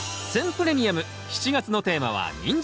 プレミアム７月のテーマは「ニンジン」。